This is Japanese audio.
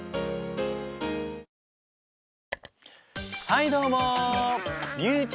はいどうも。